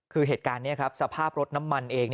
คือเหตุการณ์นี้ครับสภาพรถน้ำมันเอง